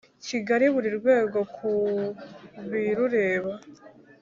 Kigali buri rwego ku birureba